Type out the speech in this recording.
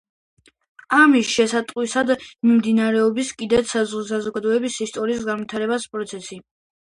ამის შესატყვისად მიმდინარეობს კიდეც საზოგადოების ისტორიის განვითარების პროცესი.